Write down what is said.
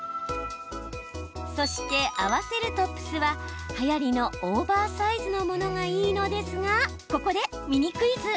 そして合わせるトップスははやりのオーバーサイズのものがいいのですがここでミニクイズ。